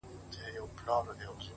سیاه پوسي ده، خُم چپه پروت دی،